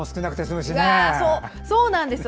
そうなんですよ。